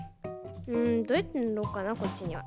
んどうやってぬろうかなこっちには。